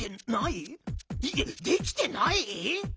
いやできてない？